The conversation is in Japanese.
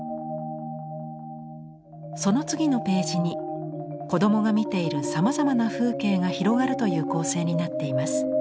その次のページに子どもが見ているさまざまな風景が広がるという構成になっています。